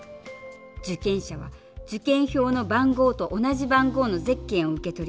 受験者は受験票の番号と同じ番号のゼッケンを受け取り